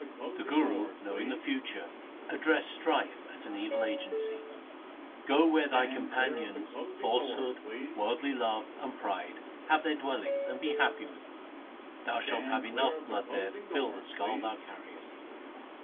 The Guru knowing the future addressed Strife, as an evil agency. ' Go where thy companions falsehood, worldly love, and pride, have their dwel lings, and be happy with them. Thou shalt have enough blood there to fill the skull thou carriest.'